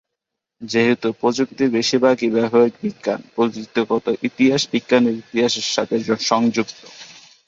যেহেতু প্রযুক্তির বেশিরভাগই ব্যবহারিক বিজ্ঞান, প্রযুক্তিগত ইতিহাস বিজ্ঞানের ইতিহাসের সাথে সংযুক্ত।